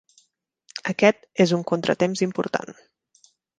Aquest és un contratemps important.